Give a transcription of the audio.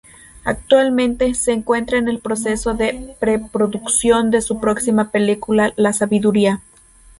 Actualmente, se encuentra en el proceso de pre-producción de su próxima película La sabiduría.